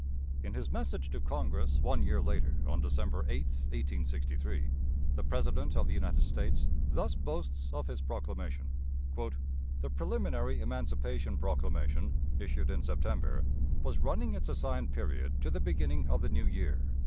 In his message to Congress one year later, on December 8, 1863, the President of the United States thus boasts of his proclamation: "The preliminary emancipation proclamation, issued in September, was running its assigned period to the beginning of the new year.